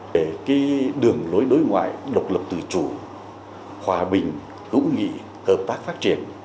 để cái đường lối đối ngoại độc lập tự chủ hòa bình hữu nghị hợp tác phát triển